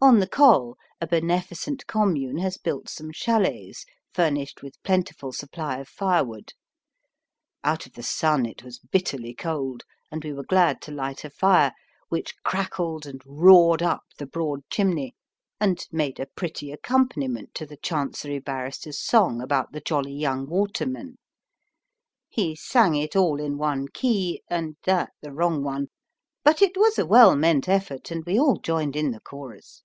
On the Col a beneficent commune has built some chalets furnished with plentiful supply of firewood. Out of the sun it was bitterly cold, and we were glad to light a fire, which crackled and roared up the broad chimney and made a pretty accompaniment to the Chancery Barrister's song about the Jolly Young Waterman. He sang it all in one key, and that the wrong one. But it was a well meant effort, and we all joined in the chorus.